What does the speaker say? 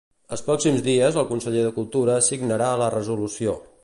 Els pròxims dies el conseller de Cultura signarà la resolució.